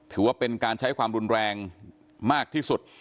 ถือว่าเป็นการใช้ความรุนแรงมากที่สุด